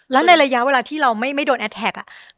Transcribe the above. แล้วในระยะเวลาที่เราไม่โดนแอดแท็ก